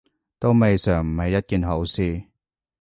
都未嘗唔係一件好事